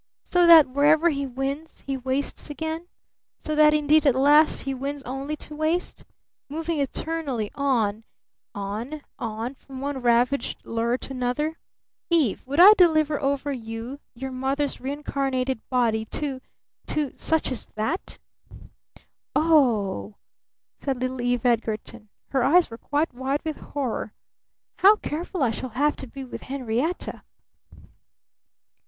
So that wherever he wins he wastes again? So that indeed at last, he wins only to waste? Moving eternally on on on from one ravaged lure to another? Eve! Would I deliver over you your mother's reincarnated body to to such as that?" "O h," said little Eve Edgarton. Her eyes were quite wide with horror. "How careful I shall have to be with Henrietta."